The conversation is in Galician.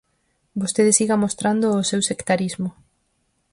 Vostede siga mostrando o seu sectarismo.